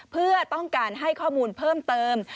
เพื่อต้องการให้ข้อมูลเพิ่มเติม